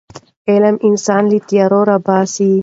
علم انسان له تیارو راباسي.